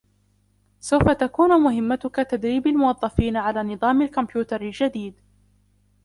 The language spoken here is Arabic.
سوف تكون مهمتك تدريب الموظفين على نظام الكمبيوتر الجديد.